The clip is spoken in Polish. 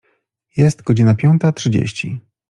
Jest godzina piąta trzydzieści.